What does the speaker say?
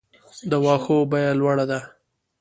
د واښو بیه لوړه ده؟